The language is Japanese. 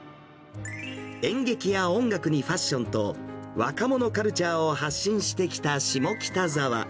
演劇や音楽にファッションと、若者カルチャーを発信してきた下北沢。